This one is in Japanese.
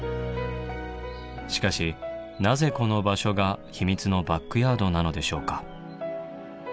しかしなぜこの場所が秘密のバックヤードなのでしょうか。